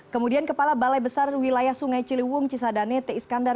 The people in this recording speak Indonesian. kemudian kepala balai besar wilayah sungai ciliwung cisadane t iskandar